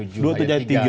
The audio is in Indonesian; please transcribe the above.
pemerintah kepada rakyatnya